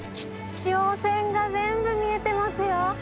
稜線が全部見えてますよ。